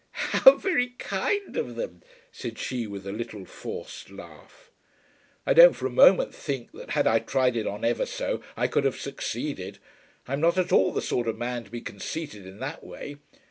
"How very kind of them," said she with a little forced laugh. "I don't for a moment think that, had I tried it on ever so, I could have succeeded. I am not at all the sort of man to be conceited in that way.